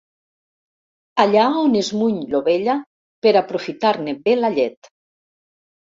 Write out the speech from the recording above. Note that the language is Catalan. Allà on es muny l'ovella per aprofitar-ne bé la llet.